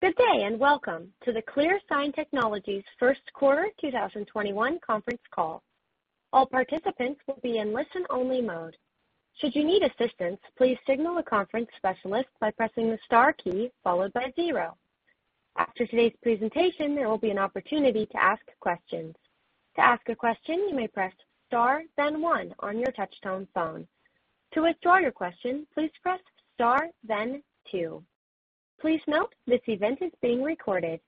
Good day, and welcome to the ClearSign Technologies first quarter 2021 conference call. All participants will be in a listen-only mode. Should you need assistance, please signal a conference specialist by pressing the star key followed by zero. After today's presentation, there will be an opportunity to ask questions. To ask a question, you may press star then one on your touch-tone phone. To withdraw your question, please press star then two. Please note this event is being recorded.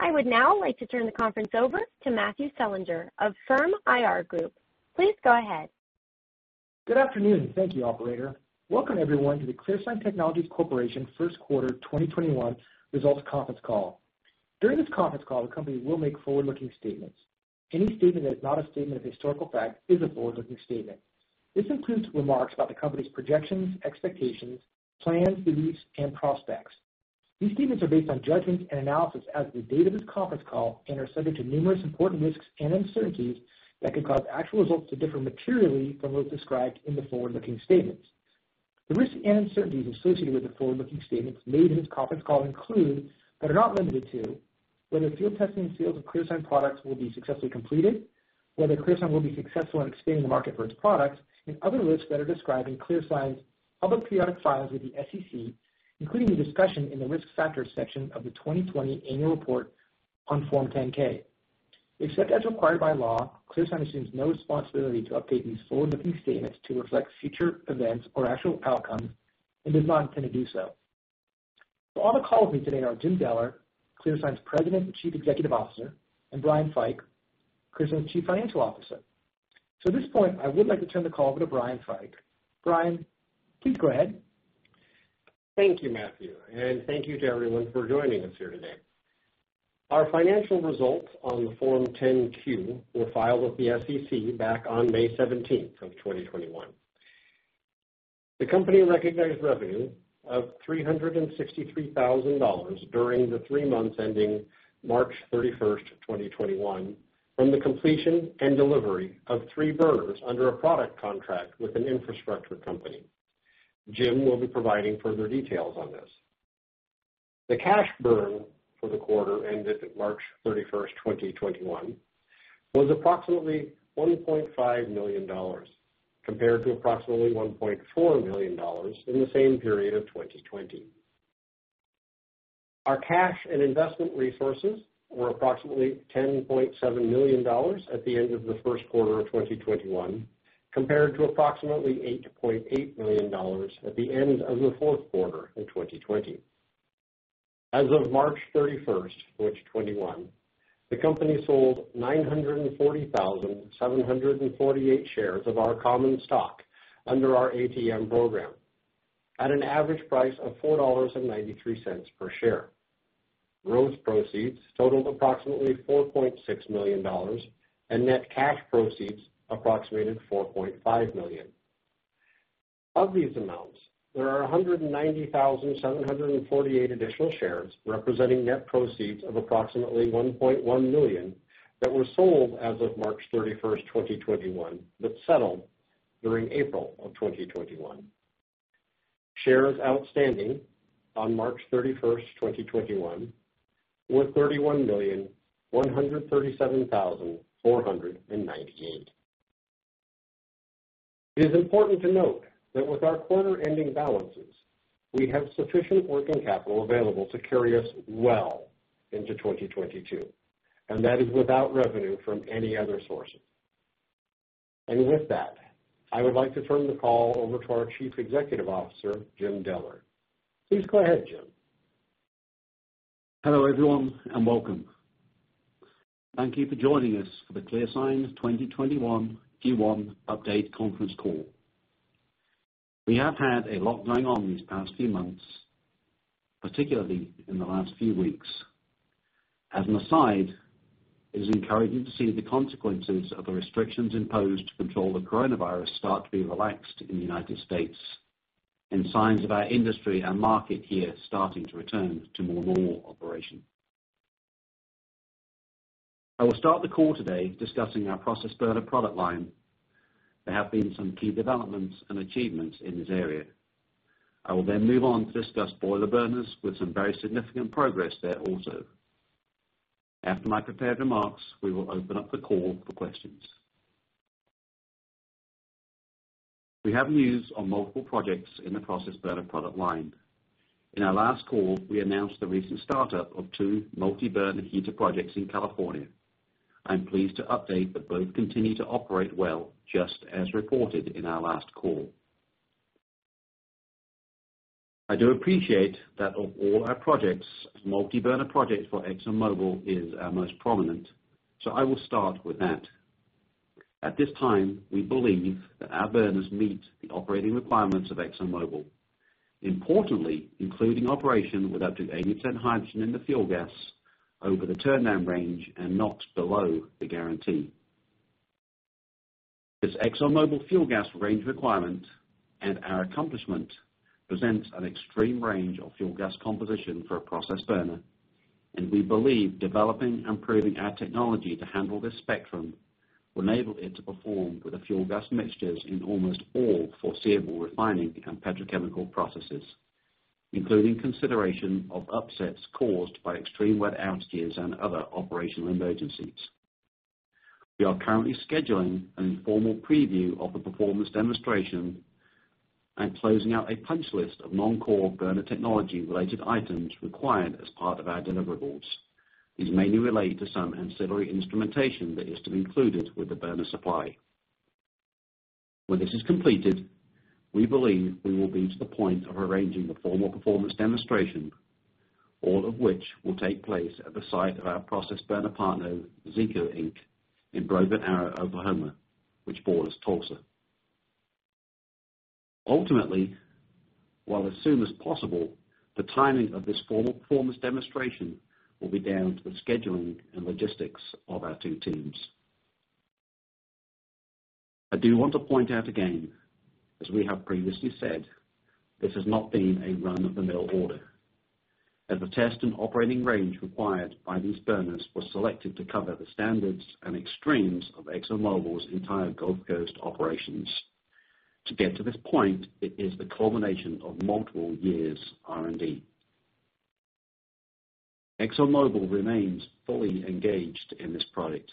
I would now like to turn the conference over to Matthew Selinger of Firm IR Group. Please go ahead. Good afternoon. Thank you, operator. Welcome everyone to the ClearSign Technologies Corporation first quarter 2021 results conference call. During this conference call, the company will make forward-looking statements. Any statement that is not a statement of historical fact is a forward-looking statement. This includes remarks about the company's projections, expectations, plans, beliefs, and prospects. These statements are based on judgments and analysis as of the date of this conference call and are subject to numerous important risks and uncertainties that could cause actual results to differ materially from those described in the forward-looking statements. The risks and uncertainties associated with the forward-looking statements made in this conference call include, but are not limited to, whether field-testing sales of ClearSign products will be successfully completed, whether ClearSign will be successful in expanding the market for its products, and other risks that are described in ClearSign's public periodic filings with the SEC, including the discussion in the risk factors section of the 2020 annual report on Form 10-K. Except as required by law, ClearSign assumes no responsibility to update these forward-looking statements to reflect future events or actual outcomes and does not intend to do so. On the call with me today are Jim Deller, ClearSign's President and Chief Executive Officer, and Brian Fike, ClearSign's Chief Financial Officer. At this point, I would like to turn the call over to Brian Fike. Brian, please go ahead. Thank you, Matthew, and thank you to everyone for joining us here today. Our financial results on the Form 10-Q were filed with the SEC back on May 17th of 2021. The company recognized revenue of $363,000 during the three months ending March 31st, 2021, from the completion and delivery of three burners under a product contract with an infrastructure company. Jim will be providing further details on this. The cash burn for the quarter ended March 31st, 2021, was approximately $1.5 million, compared to approximately $1.4 million in the same period of 2020. Our cash and investment resources were approximately $10.7 million at the end of the first quarter of 2021, compared to approximately $8.8 million at the end of the fourth quarter in 2020. As of March 31st, 2021, the company sold 940,748 shares of our common stock under our ATM program at an average price of $4.93 per share. Gross proceeds totaled approximately $4.6 million, and net cash proceeds approximated $4.5 million. Of these amounts, there are 190,748 additional shares representing net proceeds of approximately $1.1 million that were sold as of March 31st, 2021, but settled during April of 2021. Shares outstanding on March 31st, 2021, were 31,137,498. It is important to note that with our quarter-ending balances, we have sufficient working capital available to carry us well into 2022, and that is without revenue from any other sources. With that, I would like to turn the call over to our Chief Executive Officer, Jim Deller. Please go ahead, Jim. Hello, everyone, and welcome. Thank you for joining us for the ClearSign 2021 Q1 update conference call. We have had a lot going on these past few months, particularly in the last few weeks. As an aside, it is encouraging to see the consequences of the restrictions imposed to control the coronavirus start to be relaxed in the United States and signs of our industry and market here starting to return to more normal operation. I will start the call today discussing our process burner product line. There have been some key developments and achievements in this area. I will then move on to discuss boiler burners with some very significant progress there also. After my prepared remarks, we will open up the call for questions. We have news on multiple projects in the process burner product line. In our last call, we announced the recent startup of two multi-burner heater projects in California. I'm pleased to update that both continue to operate well, just as reported in our last call. I do appreciate that of all our projects, the multi-burner project for ExxonMobil is our most prominent. I will start with that. At this time, we believe that our burners meet the operating requirements of ExxonMobil, importantly including operation without any hydrogen in the fuel gas over the turndown range and not below the guarantee. This ExxonMobil fuel gas range requirement and our accomplishment presents an extreme range of fuel gas composition for a process burner. We believe developing and proving our technology to handle this spectrum will enable it to perform with the fuel gas mixtures in almost all foreseeable refining and petrochemical processes, including consideration of upsets caused by extreme weather outages and other operational emergencies. We are currently scheduling an informal preview of the performance demonstration and closing out a punch list of non-core burner technology related items required as part of our deliverables. These mainly relate to some ancillary instrumentation that is to be included with the burner supply. When this is completed, we believe we will be to the point of arranging a formal performance demonstration, all of which will take place at the site of our process burner partner, Zeeco, Inc., in Broken Arrow, Oklahoma, which borders Tulsa. Ultimately, while as soon as possible, the timing of this formal performance demonstration will be down to the scheduling and logistics of our two teams. I do want to point out again, as we have previously said, this has not been a run-of-the-mill order. The test and operating range required by these burners was selected to cover the standards and extremes of ExxonMobil's entire Gulf Coast operations. To get to this point, it is the culmination of multiple years of R&D. ExxonMobil remains fully engaged in this project,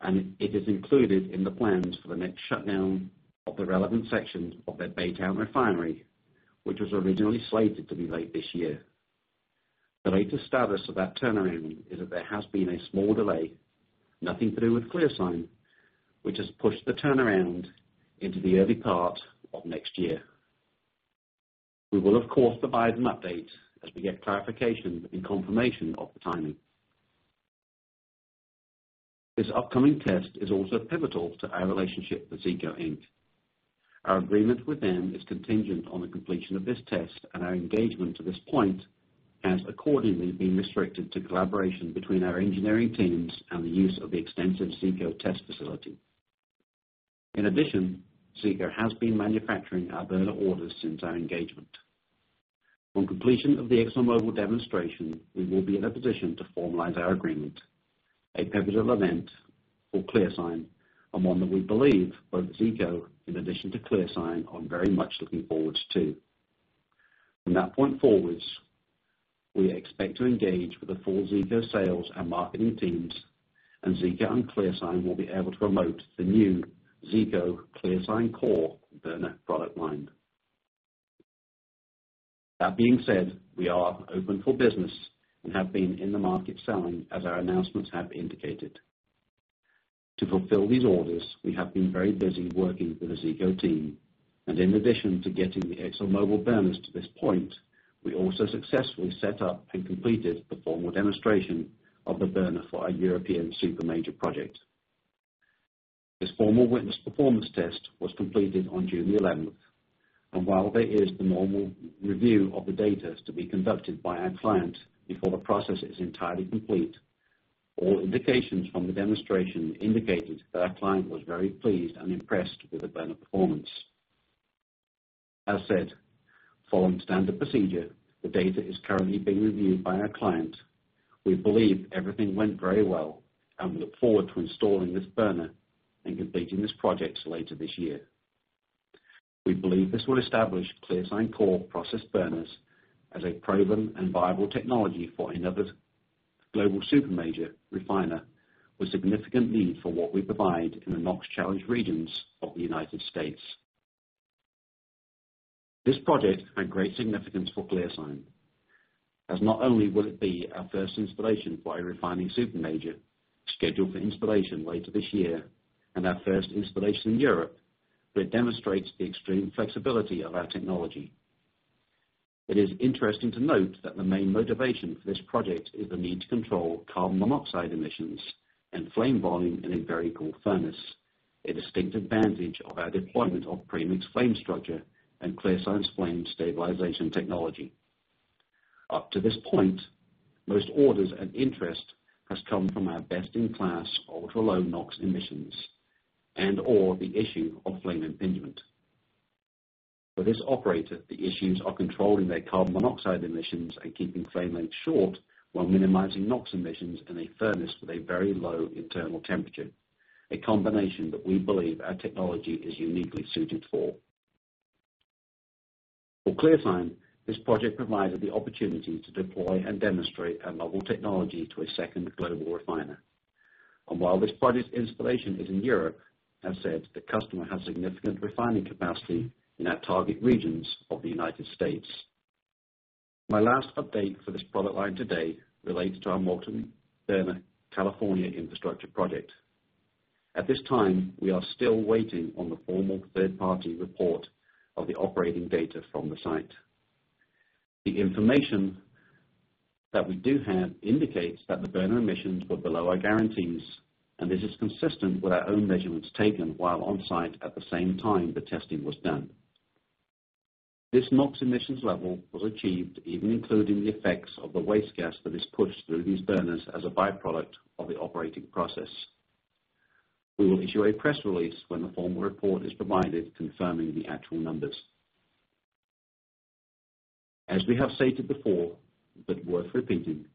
and it is included in the plans for the next shutdown of the relevant sections of their Baytown refinery, which was originally slated to be late this year. The latest status of that turnaround is that there has been a small delay, nothing to do with ClearSign, which has pushed the turnaround into the early part of next year. We will, of course, provide an update as we get clarification and confirmation of the timing. This upcoming test is also pivotal to our relationship with Zeeco, Inc. Our agreement with them is contingent on the completion of this test and our engagement to this point has accordingly been restricted to collaboration between our engineering teams and the use of the extensive Zeeco test facility. In addition, Zeeco has been manufacturing our burner orders since our engagement. On completion of the ExxonMobil demonstration, we will be in a position to formalize our agreement, a pivotal event for ClearSign, and one that we believe both Zeeco in addition to ClearSign are very much looking forward to. From that point forwards, we expect to engage with the full Zeeco sales and marketing teams, and Zeeco and ClearSign will be able to promote the new Zeeco-ClearSign Core burner product line. That being said, we are open for business and have been in the market selling as our announcements have indicated. To fulfill these orders, we have been very busy working with the Zeeco team, and in addition to getting the ExxonMobil burners to this point, we also successfully set up and completed the formal demonstration of the burner for our European super major project. This formal witness performance test was completed on June 11th, and while there is the normal review of the data to be conducted by our client before the process is entirely complete, all indications from the demonstration indicated that our client was very pleased and impressed with the burner performance. As said, following standard procedure, the data is currently being reviewed by our client. We believe everything went very well and we look forward to installing this burner and completing this project later this year. We believe this will establish ClearSign Core process burners as a proven and viable technology for another global super major refiner with significant need for what we provide in the NOx challenge regions of the U.S. This project had great significance for ClearSign, as not only will it be our first installation for a refining super major, scheduled for installation later this year and our first installation in Europe, but it demonstrates the extreme flexibility of our technology. It is interesting to note that the main motivation for this project is the need to control carbon monoxide emissions and flame volume in a very cool furnace, a distinct advantage of our deployment of premixed flame structure and ClearSign's flame stabilization technology. Up to this point, most orders and interest has come from our best-in-class ultra-low NOx emissions and/or the issue of flame impingement. For this operator, the issues are controlling their carbon monoxide emissions and keeping flame lengths short while minimizing NOx emissions in a furnace with a very low internal temperature, a combination that we believe our technology is uniquely suited for. For ClearSign, this project provided the opportunity to deploy and demonstrate our novel technology to a second global refiner. While this project's installation is in Europe, as said, the customer has significant refining capacity in our target regions of the United States. My last update for this product line today relates to our multi-burner California infrastructure project. At this time, we are still waiting on the formal third-party report of the operating data from the site. The information that we do have indicates that the burner emissions were below our guarantees, and this is consistent with our own measurements taken while on-site at the same time the testing was done. This NOx emissions level was achieved even including the effects of the waste gas that is pushed through these burners as a byproduct of the operating process. We will issue a press release when the formal report is provided confirming the actual numbers. As we have stated before, but worth repeating,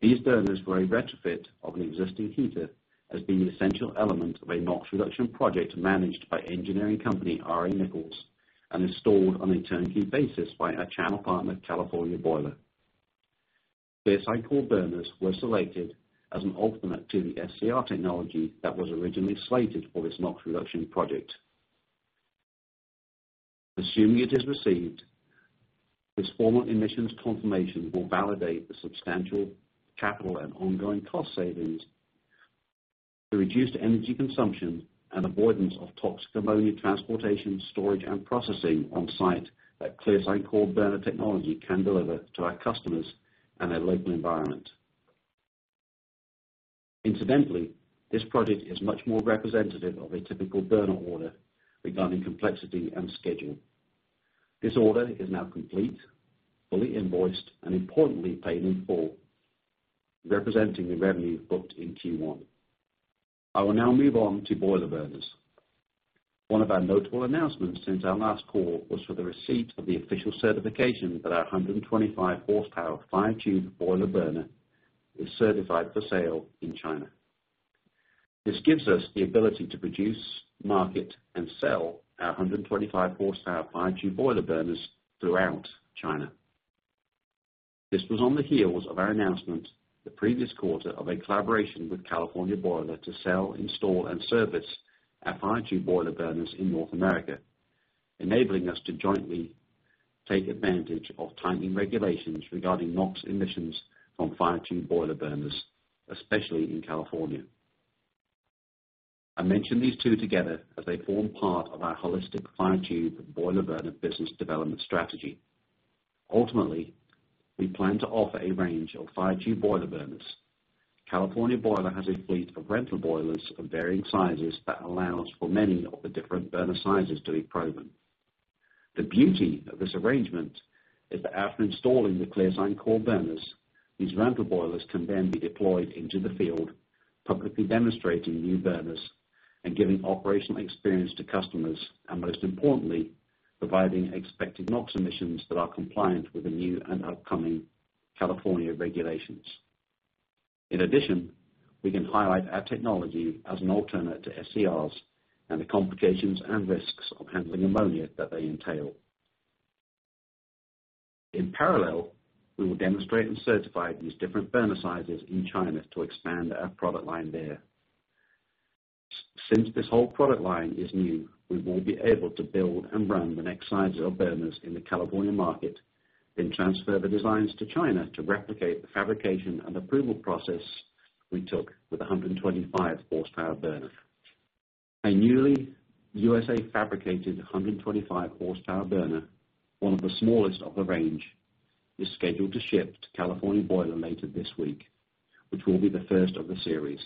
these burners were a retrofit of an existing heater as the essential element of a NOx reduction project managed by engineering company R.A. Nichols and installed on a turnkey basis by our channel partner, California Boiler. ClearSign Core burners were selected as an alternate to the SCR technology that was originally slated for this NOx reduction project. Assuming it is received, this formal emissions confirmation will validate the substantial capital and ongoing cost savings, the reduced energy consumption, and avoidance of toxic ammonia transportation, storage, and processing on site that ClearSign Core burner technology can deliver to our customers and their local environment. Incidentally, this project is much more representative of a typical burner order regarding complexity and schedule. This order is now complete, fully invoiced, and importantly, paid in full, representing the revenue booked in Q1. I will now move on to boiler burners. One of our notable announcements since our last call was for the receipt of the official certification that our 125 horsepower fire tube boiler burner is certified for sale in China. This gives us the ability to produce, market, and sell our 125 horsepower fire tube boiler burners throughout China. This was on the heels of our announcement the previous quarter of a collaboration with California Boiler to sell, install, and service our fire tube boiler burners in North America, enabling us to jointly take advantage of tightening regulations regarding NOx emissions from fire tube boiler burners, especially in California. I mention these two together as they form part of our holistic fire tube boiler burner business development strategy. Ultimately, we plan to offer a range of fire tube boiler burners. California Boiler has a fleet of rental boilers of varying sizes that allow us for many of the different burner sizes to be proven. The beauty of this arrangement is that after installing the ClearSign Core burners, these rental boilers can then be deployed into the field, publicly demonstrating new burners and giving operational experience to customers, and most importantly, providing expected NOx emissions that are compliant with the new and upcoming California regulations. In addition, we can highlight our technology as an alternate to SCRs and the complications and risks of handling ammonia that they entail. In parallel, we will demonstrate and certify these different burner sizes in China to expand our product line there. Since this whole product line is new, we will be able to build and run the next sizes of burners in the California market, then transfer the designs to China to replicate the fabrication and approval process we took with 125 horsepower burner. Our newly USA-fabricated 125 HP burner, one of the smallest of the range, is scheduled to ship to California Boiler later this week, which will be the first of the series.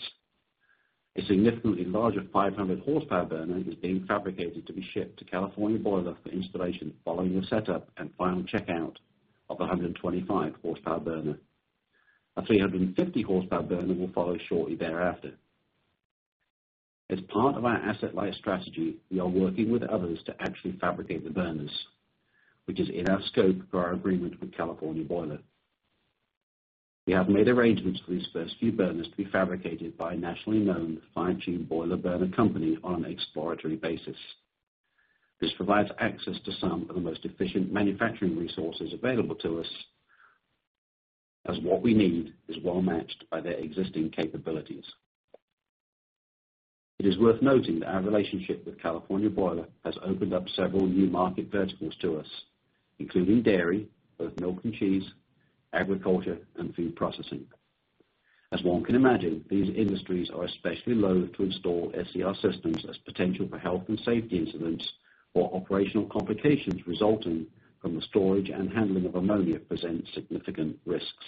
A significantly larger 500 HP burner is being fabricated to be shipped to California Boiler for installation following the setup and final checkout of 125 HP burner. A 350 HP burner will follow shortly thereafter. As part of our asset-light strategy, we are working with others to actually fabricate the burners, which is in our scope for our agreement with California Boiler. We have made arrangements for these first few burners to be fabricated by a nationally known fire tube boiler burner company on an exploratory basis. This provides access to some of the most efficient manufacturing resources available to us, as what we need is well matched by their existing capabilities. It is worth noting that our relationship with California Boiler has opened up several new market verticals to us, including dairy, both milk and cheese, agriculture, and food processing. As one can imagine, these industries are especially loath to install SCR systems as potential for health and safety incidents or operational complications resulting from the storage and handling of ammonia present significant risks.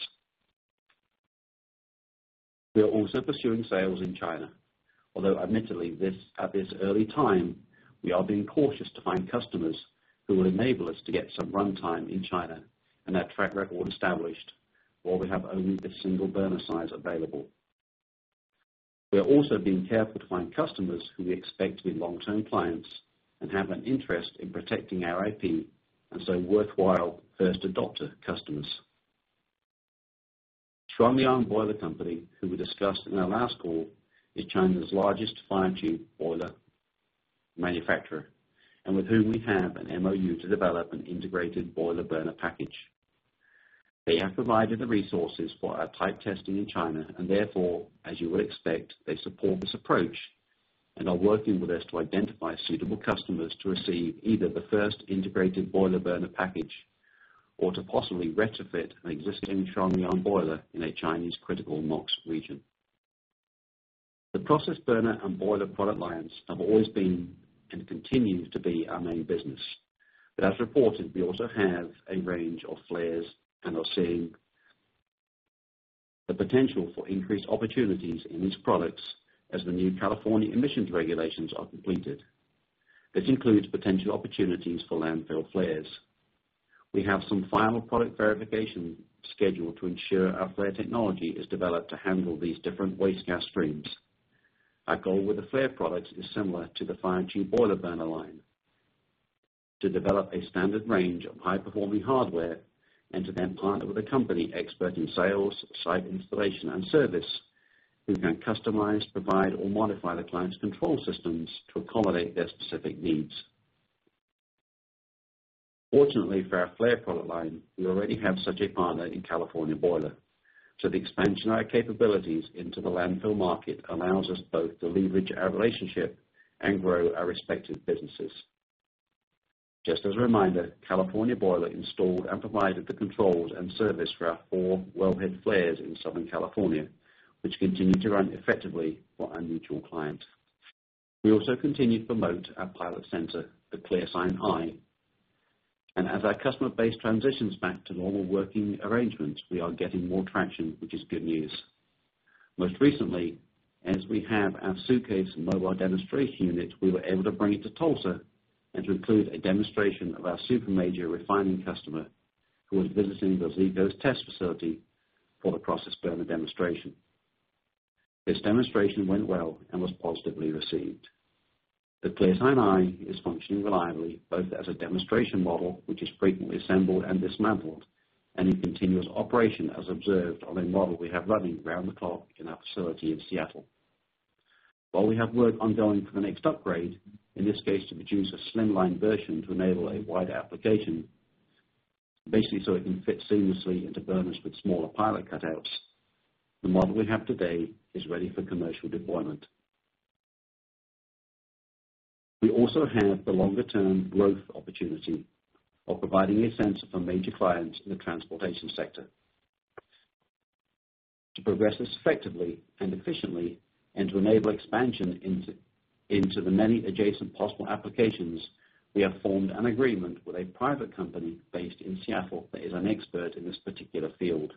We are also pursuing sales in China, although admittedly, at this early time, we are being cautious to find customers who will enable us to get some runtime in China and our track record established while we have only a single burner size available. We are also being careful to find customers who we expect to be long-term clients and have an interest in protecting our IP and so worthwhile first adopter customers. Shuangliang Boiler Company, who we discussed in our last call, is China's largest fire tube boiler manufacturer, and with whom we have an MOU to develop an integrated boiler burner package. They have provided the resources for our type testing in China, and therefore, as you would expect, they support this approach and are working with us to identify suitable customers to receive either the first integrated boiler burner package or to possibly retrofit an existing Shuangliang Boiler in a Chinese critical NOx region. The process burner and boiler product lines have always been and continue to be our main business. As reported, we also have a range of flares and are seeing the potential for increased opportunities in these products as the new California emissions regulations are completed. This includes potential opportunities for landfill flares. We have some final product verification scheduled to ensure our flare technology is developed to handle these different waste gas streams. Our goal with the flare product is similar to the fire tube boiler burner line, to develop a standard range of high-performing hardware and to then partner with a company expert in sales, site installation, and service who can customize, provide, or modify the client's control systems to accommodate their specific needs. Fortunately for our flare product line, we already have such a partner in California Boiler. The expansion of our capabilities into the landfill market allows us both to leverage our relationship and grow our respective businesses. Just as a reminder, California Boiler installed and provided the controls and service for our four wellhead flares in Southern California, which continue to run effectively for our mutual client. We also continue to promote our pilot sensor, the ClearSign Eye. As our customer base transitions back to normal working arrangements, we are getting more traction, which is good news. Most recently, as we have our suitcase mobile demonstration unit, we were able to bring it to Tulsa and to include a demonstration of our super major refining customer who was visiting the Zeeco's test facility for the process burner demonstration. This demonstration went well and was positively received. The ClearSign Eye is functioning reliably both as a demonstration model, which is frequently assembled and dismantled, and in continuous operation as observed on a model we have running round the clock in our facility in Seattle. While we have work ongoing for the next upgrade, in this case, to produce a slimline version to enable a wider application, basically so it can fit seamlessly into burners with smaller pilot cutouts, the model we have today is ready for commercial deployment. We also have the longer-term growth opportunity of providing a sensor for major clients in the transportation sector. To progress this effectively and efficiently and to enable expansion into the many adjacent possible applications, we have formed an agreement with a private company based in Seattle that is an expert in this particular field.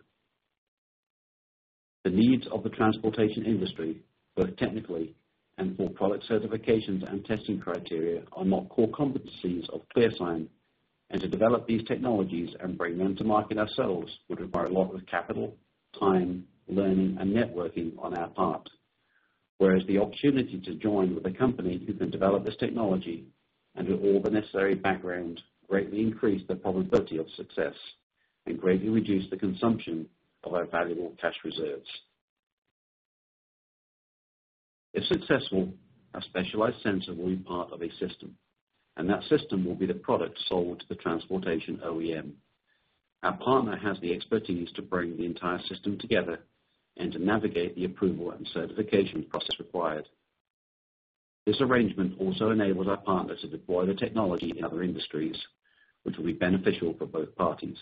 The needs of the transportation industry, both technically and for product certifications and testing criteria, are not core competencies of ClearSign, and to develop these technologies and bring them to market ourselves would require a lot of capital, time, learning, and networking on our part. Whereas the opportunity to join with a company who can develop this technology and who all the necessary background greatly increase the probability of success and greatly reduce the consumption of our valuable cash reserves. If successful, our specialized sensor will be part of a system, and that system will be the product sold to the transportation OEM. Our partner has the expertise to bring the entire system together and to navigate the approval and certification process required. This arrangement also enables our partner to deploy the technology in other industries, which will be beneficial for both parties.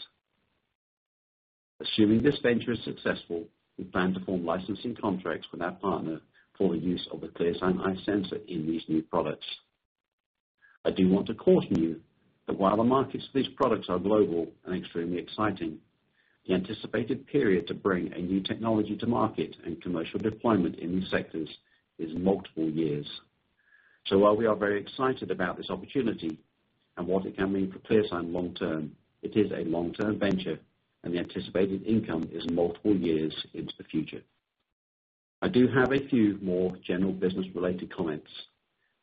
Assuming this venture is successful, we plan to form licensing contracts with our partner for the use of the ClearSign Eye sensor in these new products. I do want to caution you that while the markets for these products are global and extremely exciting, the anticipated period to bring a new technology to market and commercial deployment in these sectors is multiple years. While we are very excited about this opportunity and what it can mean for ClearSign long term, it is a long-term venture and the anticipated income is multiple years into the future. I do have a few more general business-related comments.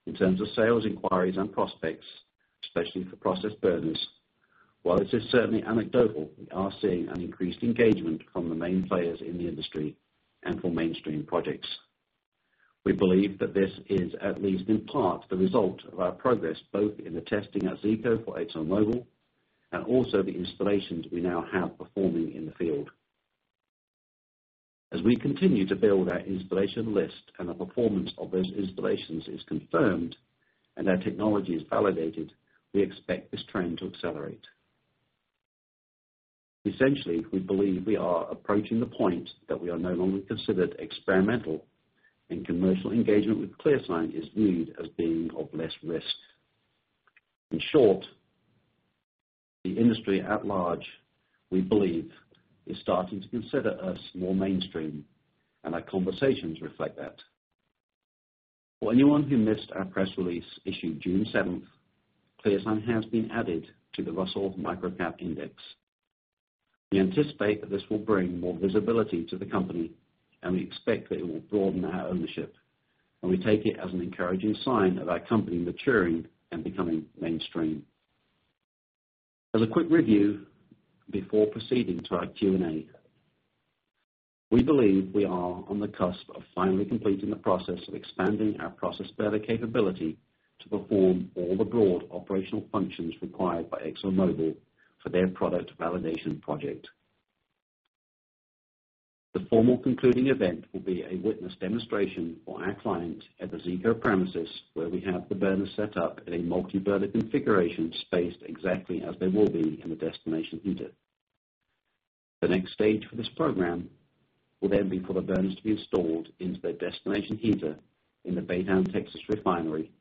In terms of sales inquiries and prospects, especially for process burners, while this is certainly anecdotal, we are seeing an increased engagement from the main players in the industry and for mainstream projects. We believe that this is at least in part the result of our progress both in the testing at Zeeco for ExxonMobil and also the installations we now have performing in the field. As we continue to build our installation list and the performance of those installations is confirmed and our technology is validated, we expect this trend to accelerate. Essentially, we believe we are approaching the point that we are no longer considered experimental and commercial engagement with ClearSign is viewed as being of less risk. In short, the industry at large, we believe, is starting to consider us more mainstream, and our conversations reflect that. For anyone who missed our press release issued June 7th, ClearSign has been added to the Russell Microcap Index. We anticipate that this will bring more visibility to the company, and we expect that it will broaden our ownership, and we take it as an encouraging sign of our company maturing and becoming mainstream. As a quick review before proceeding to our Q&A, we believe we are on the cusp of finally completing the process of expanding our process burner capability to perform all the broad operational functions required by ExxonMobil for their product validation project. The formal concluding event will be a witness demonstration by our client at the Zeeco premises where we have the burners set up in a multi-burner configuration spaced exactly as they will be in the destination heater. The next stage for this program will then be for the burners to be installed into their destination heater in the Baytown, Texas refinery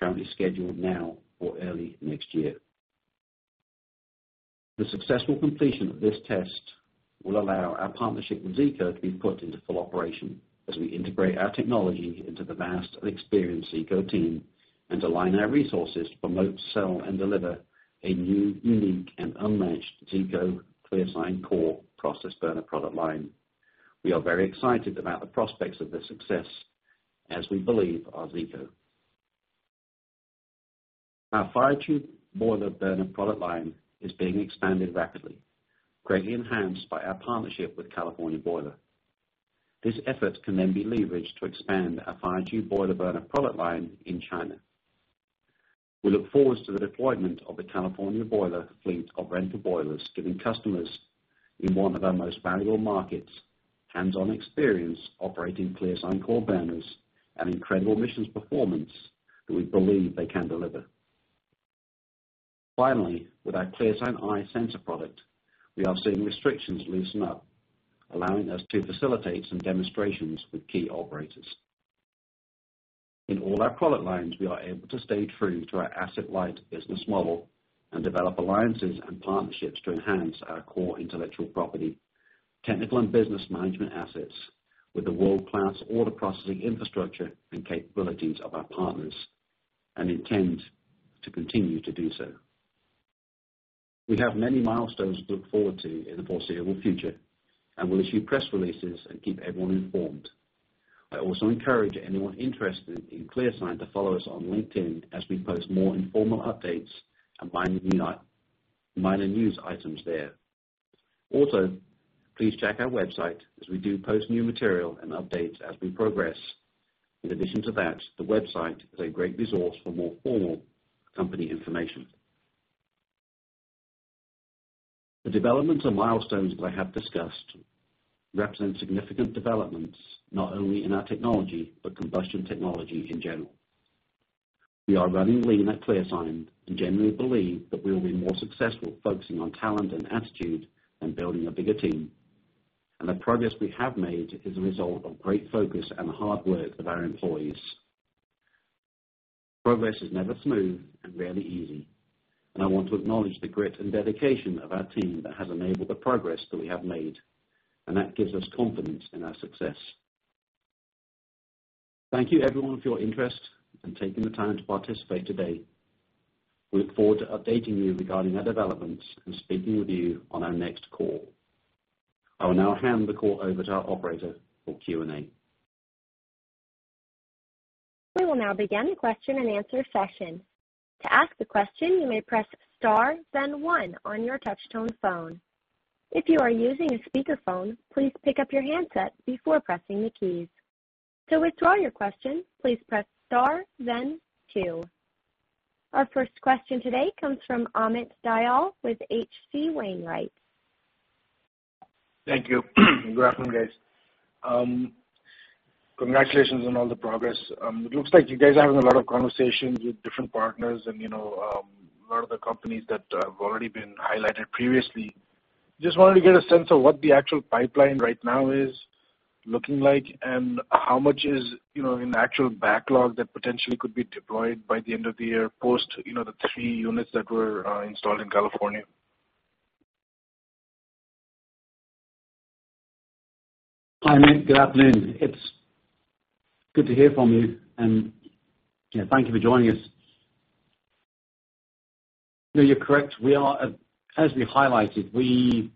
currently scheduled now or early next year. The successful completion of this test will allow our partnership with Zeeco to be put into full operation as we integrate our technology into the vast and experienced Zeeco team and align our resources to promote, sell, and deliver a new, unique, and unmatched Zeeco-ClearSign Core process burner product line. We are very excited about the prospects of this success as we believe are Zeeco. Our fire tube boiler burner product line is being expanded rapidly, greatly enhanced by our partnership with California Boiler. This effort can be leveraged to expand our fire tube boiler burner product line in China. We look forward to the deployment of the California Boiler fleet of rental boilers, giving customers in one of our most valuable markets hands-on experience operating ClearSign Core burners and incredible emissions performance that we believe they can deliver. Finally, with our ClearSign Eye sensor product, we are seeing restrictions loosen up, allowing us to facilitate some demonstrations with key operators. In all our product lines, we are able to stay true to our asset-light business model and develop alliances and partnerships to enhance our core intellectual property, technical and business management assets with the world-class order processing infrastructure and capabilities of our partners, and intend to continue to do so. We have many milestones to look forward to in the foreseeable future and will issue press releases and keep everyone informed. I also encourage anyone interested in ClearSign to follow us on LinkedIn as we post more informal updates and minor news items there. Also, please check our website as we do post new material and updates as we progress. In addition to that, the website is a great resource for more formal company information. The developments and milestones that I have discussed represent significant developments not only in our technology but combustion technology in general. We are running lean at ClearSign and genuinely believe that we will be more successful focusing on talent and attitude and building a bigger team. The progress we have made is a result of great focus and hard work of our employees. Progress is never smooth and rarely easy, and I want to acknowledge the grit and dedication of our team that has enabled the progress that we have made, and that gives us confidence in our success. Thank you everyone for your interest and taking the time to participate today. We look forward to updating you regarding our developments and speaking with you on our next call. I will now hand the call over to our operator for Q&A. We will now begin the question and answer session. To ask a question, you may press star then one on your touch-tone phone. If you are using a speakerphone, please pick up your handset before pressing the keys. To withdraw your question, please press star then two. Our first question today comes from Amit Dayal with H.C. Wainwright. Thank you. Good afternoon, guys. Congratulations on all the progress. It looks like you guys are having a lot of conversations with different partners and a lot of the companies that have already been highlighted previously. Just want to get a sense of what the actual pipeline right now is looking like and how much is in actual backlog that potentially could be deployed by the end of the year post the three units that were installed in California. Hi, Amit. Good afternoon. It's good to hear from you, and thank you for joining us. You're correct. As we highlighted, we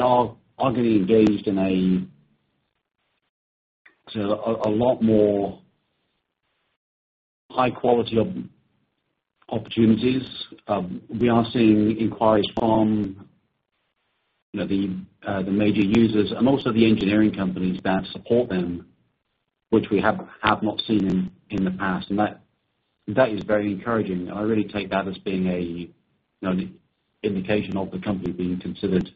are actively engaged in a lot more high quality of opportunities. We are seeing inquiries from the major users and also the engineering companies that support them, which we have not seen in the past, and that is very encouraging. I really take that as being an indication of the company being considered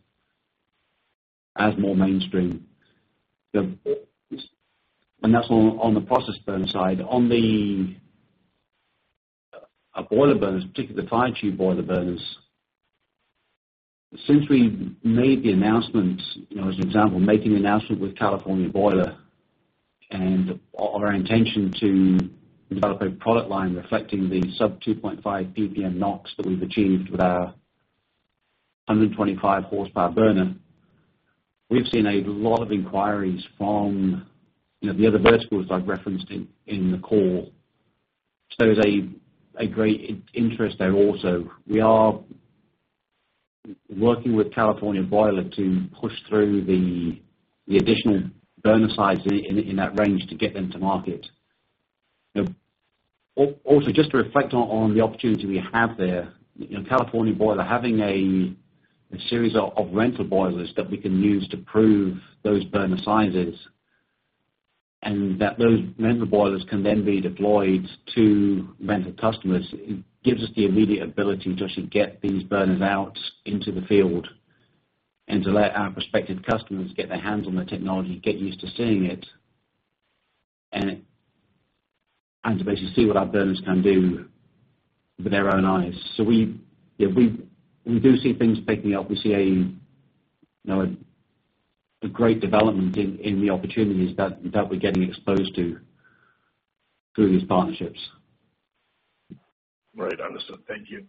as more mainstream. That's on the process burner side. On the boiler burners, particularly the fire tube boiler burners, since we made the announcement, as an example, making the announcement with California Boiler and our intention to develop a product line reflecting the sub 2.5 ppm NOx that we've achieved with our 125 horsepower burner. We've seen a lot of inquiries from the other verticals I've referenced in the call. There's a great interest there also. We are working with California Boiler to push through the additional burner sizes in that range to get them to market. Just to reflect on the opportunity we have there. California Boiler having a series of rental boilers that we can use to prove those burner sizes, and that those rental boilers can then be deployed to rental customers. It gives us the immediate ability to actually get these burners out into the field and to let our prospective customers get their hands on the technology, get used to seeing it, and to basically see what our burners can do with their own eyes. We do see things picking up. We see a great development in the opportunities that we're getting exposed to through these partnerships. Right. Understood. Thank you.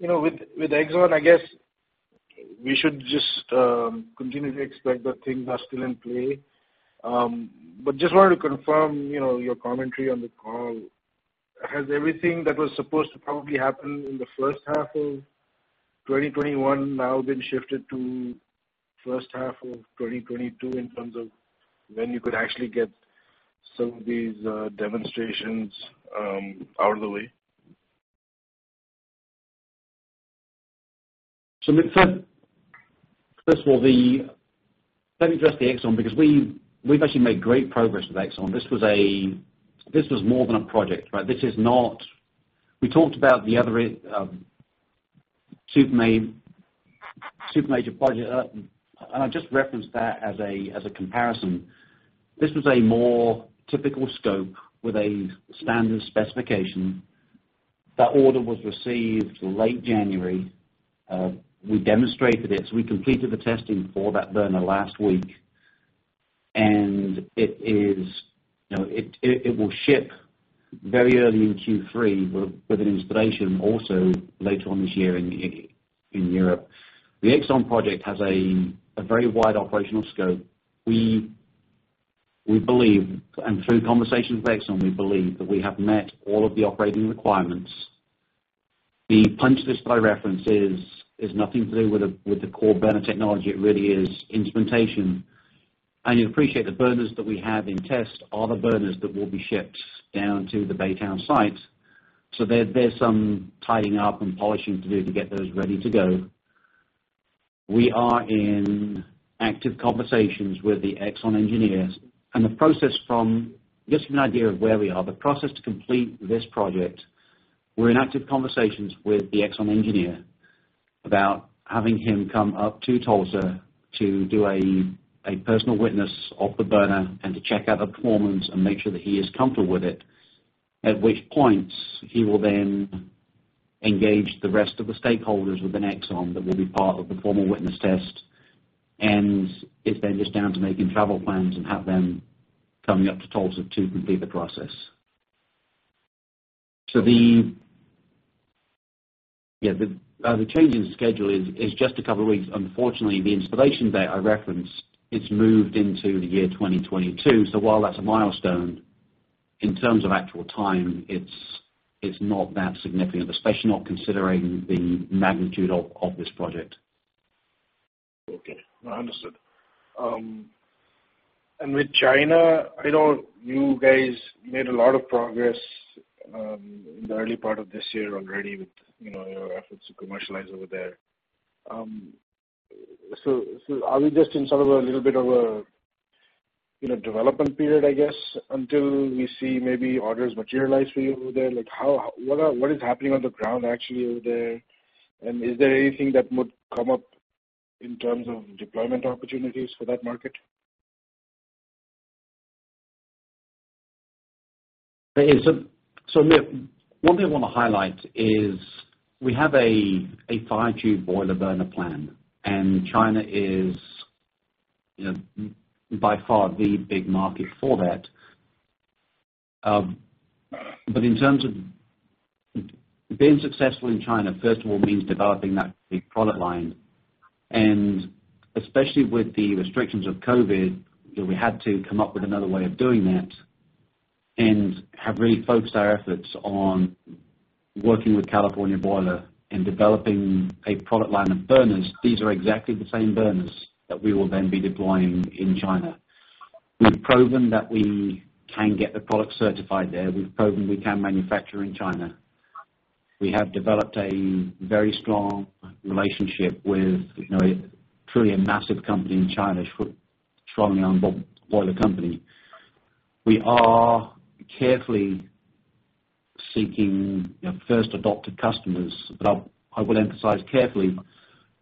With Exxon, I guess we should just continue to expect the things that's still in play. Just want to confirm your commentary on the call. Has everything that was supposed to probably happen in the first half of 2021 now been shifted to first half of 2022 in terms of when you could actually get some of these demonstrations out of the way? Amit, first of all, let me address the Exxon, because we've actually made great progress with Exxon. This was more of that project. We talked about the other two major projects. I just referenced that as a comparison. This was a more typical scope with a standard specification. That order was received late January. We demonstrated it, so we completed the testing for that burner last week, and it will ship very early in Q3 with an installation also later on this year in Europe. The Exxon project has a very wide operational scope. We believe, and through conversations with Exxon, we believe that we have met all of the operating requirements. The punch list I referenced is nothing to do with the core burner technology. It really is instrumentation. You appreciate the burners that we have in test are the burners that will be shipped down to the Baytown site. There's some tidying up and polishing to do to get those ready to go. We are in active conversations with the Exxon engineers. Just to give you an idea of where we are, the process to complete this project, we're in active conversations with the Exxon engineer about having him come up to Tulsa to do a personal witness of the burner and to check out the performance and make sure that he is comfortable with it, at which point he will then engage the rest of the stakeholders within Exxon that will be part of the formal witness test. It then is down to making travel plans and have them coming up to Tulsa to complete the process. The change in schedule is just a couple of weeks. Unfortunately, the installation date I referenced, it's moved into the year 2022. While that's a milestone, in terms of actual time, it's not that significant, especially not considering the magnitude of this project. Okay. No, understood. With China, I know you guys made a lot of progress in the early part of this year already with your efforts to commercialize over there. Are we just in sort of a little bit of a development period, I guess, until we see maybe orders materialize for you over there? What is happening on the ground actually over there? Is there anything that would come up in terms of deployment opportunities for that market? Amit, what we want to highlight is we have a firetube boiler burner plan, and China is by far the big market for that. In terms of being successful in China, first of all, means developing that big product line. Especially with the restrictions of COVID, we had to come up with another way of doing that and have really focused our efforts on working with California Boiler and developing a product line of burners. These are exactly the same burners that we will then be deploying in China. We've proven that we can get the product certified there. We've proven we can manufacture in China. We have developed a very strong relationship with truly a massive company in China, Shuangliang Boiler Company. We are carefully seeking first adopter customers. I would emphasize carefully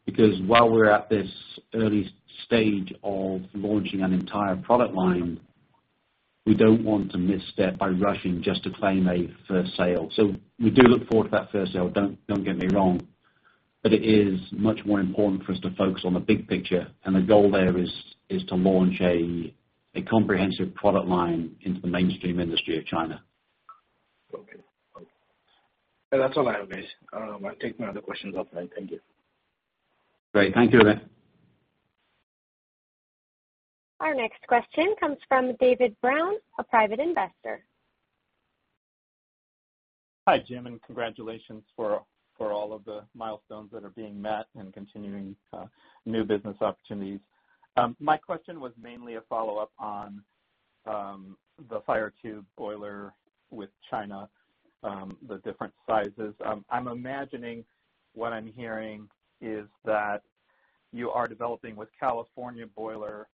because while we're at this early stage of launching an entire product line, we don't want to misstep by rushing just to claim a first sale. We do look forward to that first sale, don't get me wrong, but it is much more important for us to focus on the big picture, and the goal there is to launch a comprehensive product line into the mainstream industry of China. Okay. That's all I have, Jim. I take my other questions offline. Thank you. Great. Thank you, Amit. Our next question comes from David Brown, a private investor. Hi, Jim, and congratulations for all of the milestones that are being met and continuing new business opportunities. My question was mainly a follow-up on the firetube boiler with China, the different sizes. I'm imagining what I'm hearing is that you are developing with California Boiler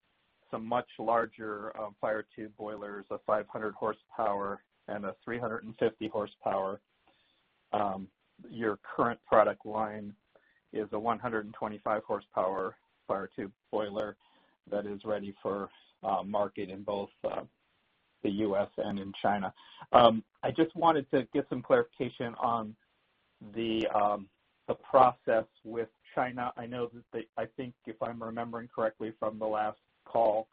some much larger firetube boilers, a 500-hp and a 350-hp. Your current product line is a 125-hp firetube boiler that is ready for market in both the U.S. and in China. I just wanted to get some clarification on the process with China. I think if I'm remembering correctly from the last call.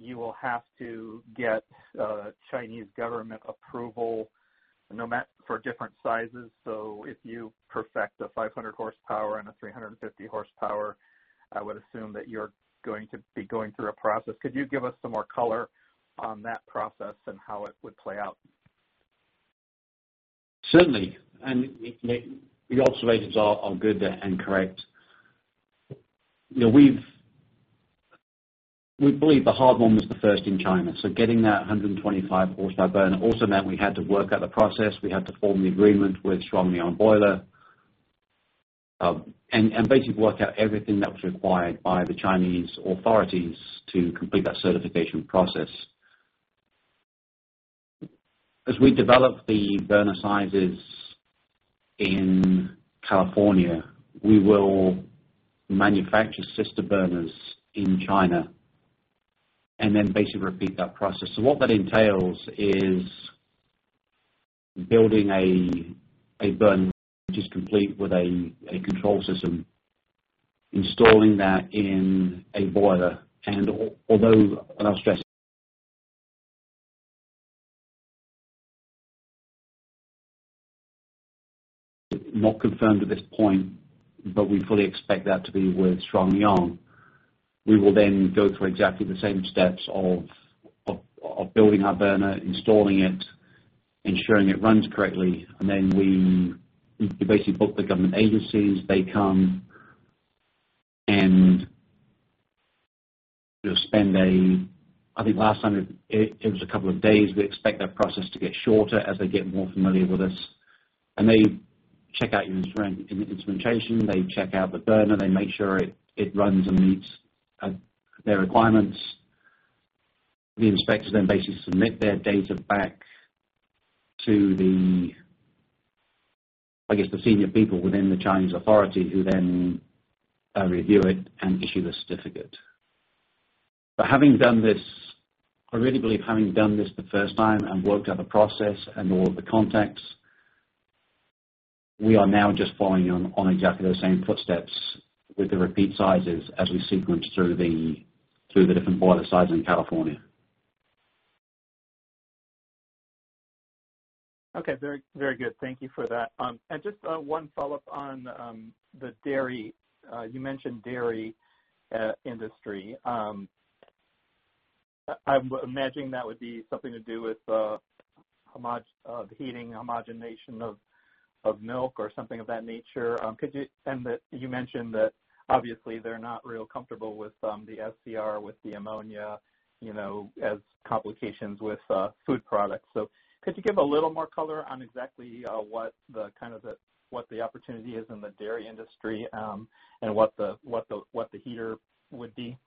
You will have to get Chinese government approval for different sizes. If you perfect a 500-hp and a 350-hp, I would assume that you're going to be going through a process. Could you give us some more color on that process and how it would play out? Certainly. The observations are good and correct. We believe the hard one was the first in China. Getting that 125 HP burner also meant we had to work out a process. We had to form the agreement with Shuangliang Boiler, and basically work out everything that was required by the Chinese authorities to complete that certification process. As we develop the burner sizes in California, we will manufacture sister burners in China and then basically repeat that process. What that entails is building a burner which is complete with a control system, installing that in a boiler. Although, and I'll stress, not confirmed at this point, but we fully expect that to be with Shuangliang. We will then go through exactly the same steps of building our burner, installing it, ensuring it runs correctly, and then we basically book the government agencies. They come and they'll spend a, I think last time it was a couple of days. We expect that process to get shorter as they get more familiar with us, and they check out the instrumentation, they check out the burner, they make sure it runs and meets their requirements. The inspectors then basically submit their data back to the senior people within the Chinese authority who then review it and issue the certificate. Having done this critically, having done this the first time and worked out the process and all of the contacts, we are now just following on exactly those same footsteps with the repeat sizes as we sequence through the different boiler sites in California. Okay. Very good. Thank you for that. Just one follow-up on the dairy. You mentioned dairy industry. I'm imagining that would be something to do with the heating homogenization of milk or something of that nature. You mentioned that obviously they're not real comfortable with the SCR, with the ammonia, as complications with food products. Could you give a little more color on exactly what the opportunity is in the dairy industry, and what the heater would be?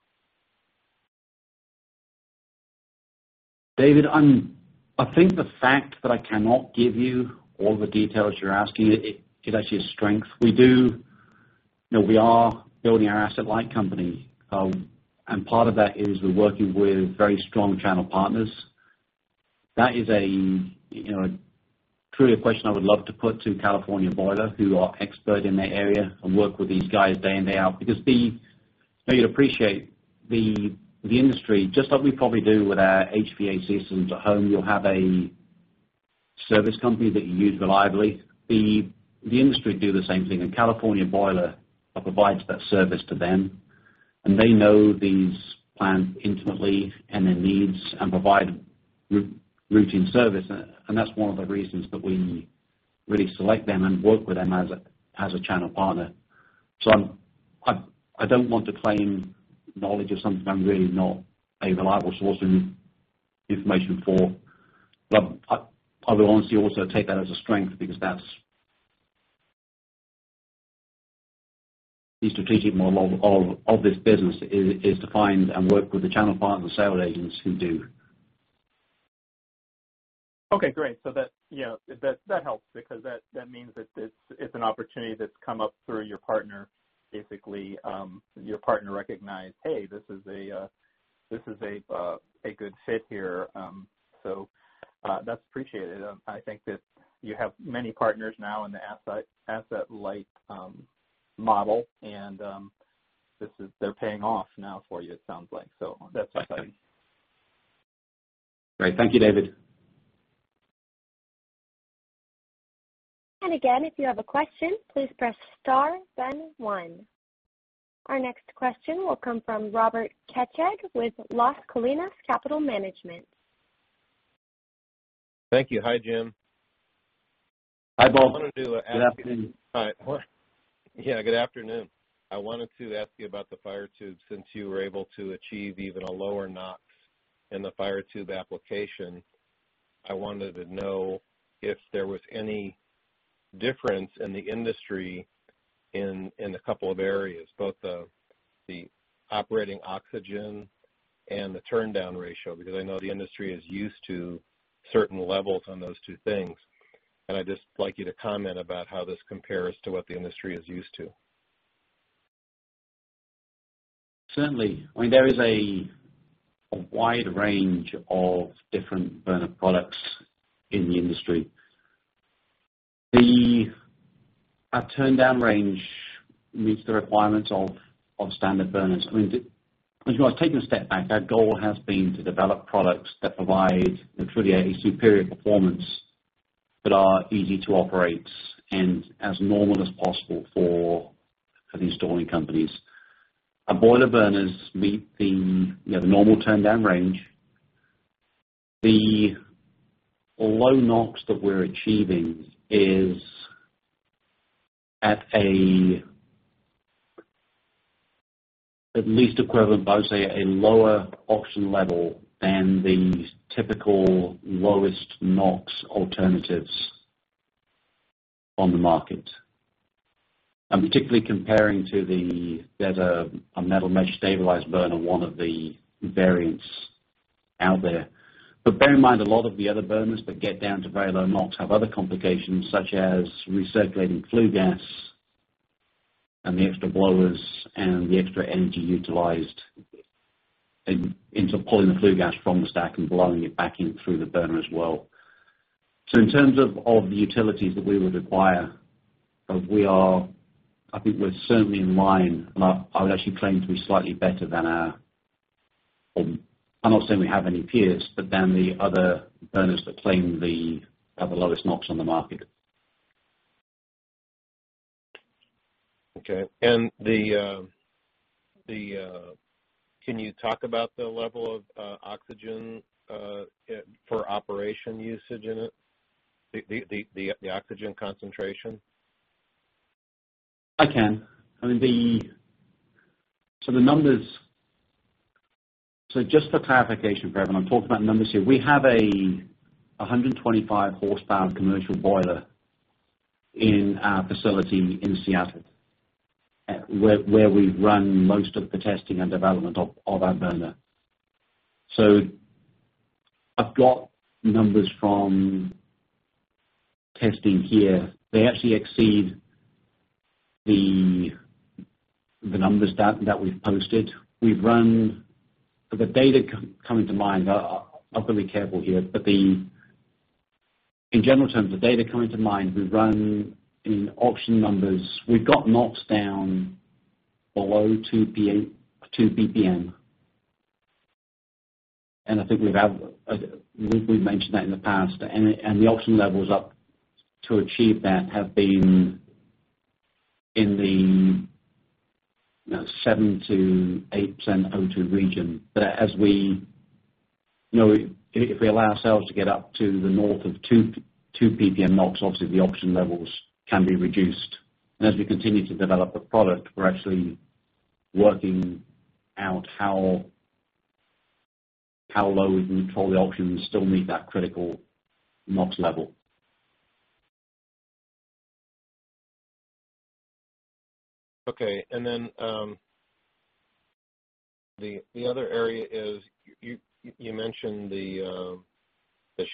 David, I think the fact that I cannot give you all the details you're asking is actually a strength. We are building our asset-light company. Part of that is we're working with very strong channel partners. That is truly a question I would love to put to California Boiler, who are expert in their area and work with these guys day in, day out. Because you appreciate the industry, just like we probably do with our HVAC systems at home, you'll have a service company that you use reliably. The industry do the same thing, and California Boiler provides that service to them, and they know these plants intimately and their needs and provide routine service. That's one of the reasons that we really select them and work with them as a channel partner. I don't want to claim knowledge of something I'm really not a reliable source of information for. I would honestly also take that as a strength because that's the strategic model of this business, is to find and work with the channel partners and sales agents who do. Okay, great. That helps because that means that it's an opportunity that's come up through your partner, basically. Your partner recognized, "Hey, this is a good fit here." That's appreciated. I think that you have many partners now in the asset-light model, and they're paying off now for you it sounds like. That's exciting. Great. Thank you, David. Again, if you have a question, please press star then one. Our next question will come from Robert Kecseg with Las Colinas Capital Management. Thank you. Hi, Jim. Hi, Bob. Good afternoon. Yeah, good afternoon. I wanted to ask you about the fire tube, since you were able to achieve even a lower NOx in the fire tube application. I wanted to know if there was any difference in the industry in a couple of areas, both the operating oxygen and the turndown ratio, because I know the industry is used to certain levels on those two things. I'd just like you to comment about how this compares to what the industry is used to. Certainly. There is a wide range of different burner products in the industry. Our turndown range meets the requirements of standard burners. I want to take a step back. Our goal has been to develop products that provide and deliver a superior performance that are easy to operate and as normal as possible for the installing companies. Our boiler burners meet the normal turndown range. The low NOx that we're achieving is at least equivalent, but I'd say a lower oxygen level than the typical lowest NOx alternatives on the market. I'm particularly comparing to the metal mesh stabilized burner, one of the variants out there. Bear in mind, a lot of the other burners that get down to very low NOx have other complications such as recirculating flue gas and the extra blowers and the extra energy utilized into pulling the flue gas from the stack and blowing it back in through the burner as well. In terms of the utility that we would require, I think we're certainly in line. I would actually claim to be slightly better than I'm not saying we have any peers, but than the other burners that claim they have the lowest NOx on the market. Okay. Can you talk about the level of oxygen for operation usage in it, the oxygen concentration? I can. Just for clarification for everyone, I'm talking about numbers here. We have a 125-horsepower commercial boiler in our facility in Seattle, where we run most of the testing and development of our burner. I've got numbers from testing here. They actually exceed the numbers that we've posted. I've got to be careful here. In general terms, the data coming to mind, we run in oxygen numbers. We've got NOx down below 2 ppm. I think we've mentioned that in the past. The oxygen levels up to achieve that have been in the 7% to 8% O2 region. If we allow ourselves to get up to the north of 2 ppm NOx, obviously the oxygen levels can be reduced. As we continue to develop the product, we're actually working out how low we can pull the oxygen and still meet that critical NOx level. Okay. The other area is you mentioned the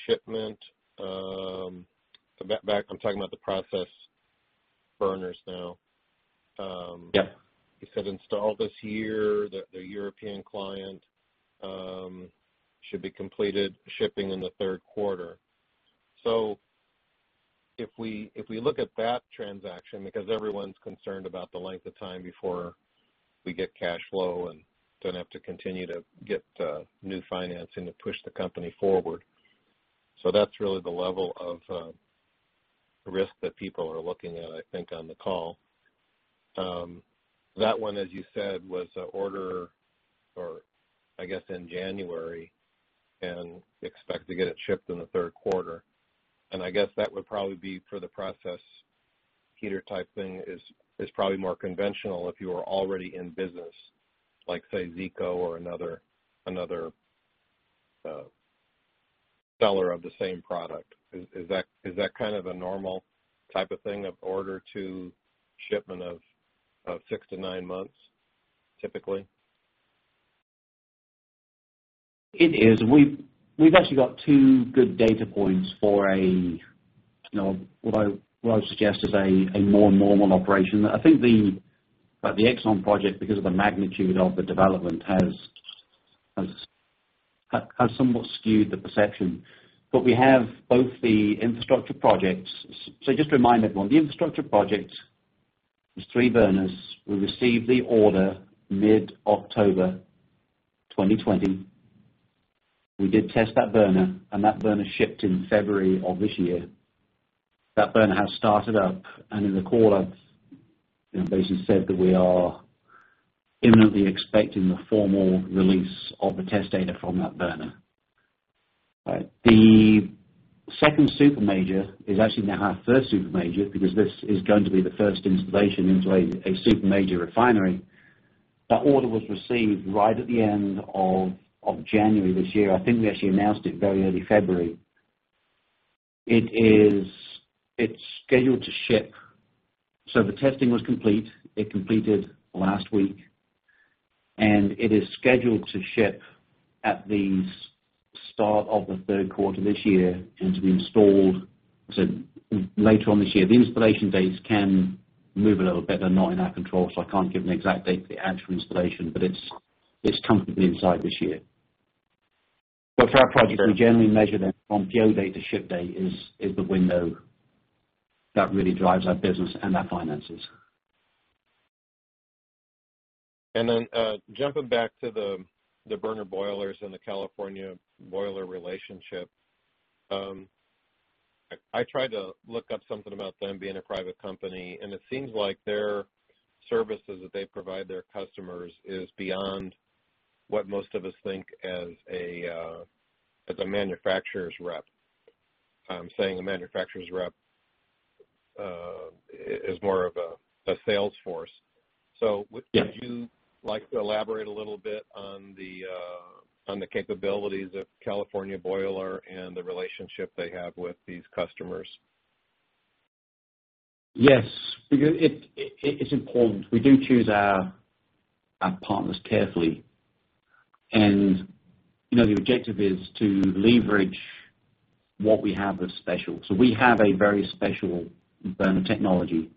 shipment. I'm talking about the process burners now. Yeah. You said installed this year, that the European client should be completed shipping in the third quarter. If we look at that transaction, because everyone's concerned about the length of time before we get cash flow and don't have to continue to get new financing to push the company forward. That's really the level of risk that people are looking at, I think, on the call. That one, as you said, was an order, I guess, in January, and you expect to get it shipped in the third quarter. I guess that would probably be for the process heater type thing is probably more conventional if you are already in business, like say, Zeeco or another seller of the same product. Is that kind of a normal type of thing of order to shipment of six-nine months, typically? It is. We've actually got two good data points for what I would suggest is a more normal operation. I think the Exxon project, because of the magnitude of the development has somewhat skewed the perception. We have both the infrastructure projects. Just to remind everyone, the infrastructure project was three burners. We received the order mid-October 2020. We did test that burner, and that burner shipped in February of this year. That burner has started up, and in the quarter, basically said that we are imminently expecting the formal release of the test data from that burner. The second super major is actually now our first super major because this is going to be the first installation into a super major refinery. That order was received right at the end of January this year. I think we actually announced it very early February. It's scheduled to ship. The testing was complete. It completed last week, and it is scheduled to ship at the start of the third quarter this year and to be installed later on this year. The installation dates can move a little bit. They're not in our control, so I can't give an exact date for the actual installation, but it's comfortably inside this year. For our project, we generally measure that from go date to ship date is the window that really drives our business and our finances. Jumping back to the burner boilers and the California Boiler relationship. I tried to look up something about them being a private company, and it seems like their services that they provide their customers is beyond what most of us think as a manufacturer's rep. I'm saying a manufacturer's rep is more of a sales force. Would you like to elaborate a little bit on the capabilities of California Boiler and the relationship they have with these customers? It's important. We do choose our partners carefully, and the objective is to leverage what we have that's special. We have a very special burner technology,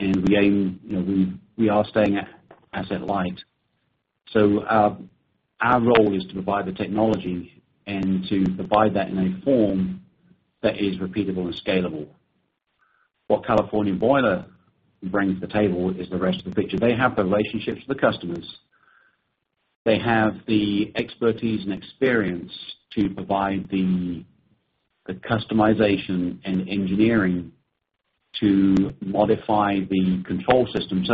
and we are staying asset-light. Our role is to provide the technology and to provide that in a form that is repeatable and scalable. What California Boiler brings to the table is the rest of the picture. They have the relationships with the customers. They have the expertise and experience to provide the customization and engineering to modify the control system.